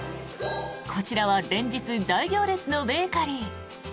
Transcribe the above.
こちらは連日、大行列のベーカリー。